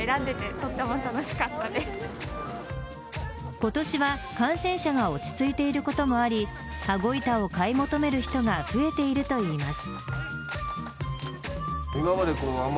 今年は感染者が落ち着いていることもあり羽子板を買い求める人が増えているといいます。